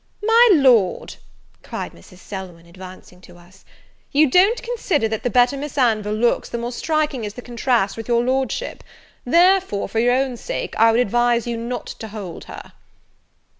"My Lord," cried Mrs. Selwyn, advancing to us, "you don't consider, that the better Miss Anville looks the more striking is the contrast with your Lordship; therefore, for your own sake, I would advise you not to hold her."